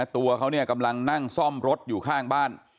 ตัวเขาเนี่ยกำลังนั่งซ่อมรถอยู่ข้างบ้าน